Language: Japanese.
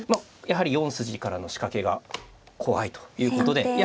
やはり４筋からの仕掛けが怖いということで。